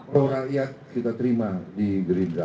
ruraliat kita terima di gerindra